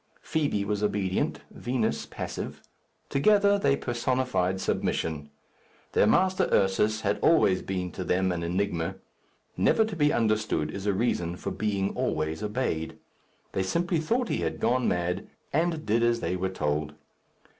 Fibi was obedient; Vinos, passive. Together, they personified submission. Their master, Ursus, had always been to them an enigma. Never to be understood is a reason for being always obeyed. They simply thought he had gone mad, and did as they were told.